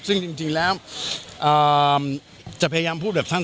ซึ่งจริงแล้วจะพยายามพูดแบบท่าน